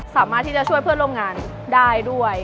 สามารถที่จะช่วยเพื่อนร่วมงานได้ด้วย